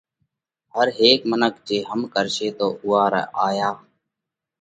هر هيڪ منک جي هم ڪرشي تو اُوئا رئِي آيا